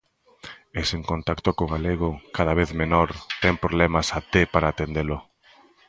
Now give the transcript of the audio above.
E sen contacto co galego, cada vez menor, ten problemas até para entendelo.